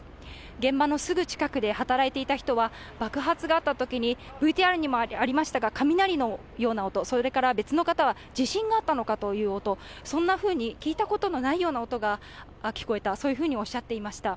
現場のすぐ近くで働いていた人は爆発があったときにＶＴＲにもありましたが雷のような音、それから別の方は地震があったのかという音、そんなふうに、聞いたことのないような音が聞こえた、そういうふうにおっしゃっていました。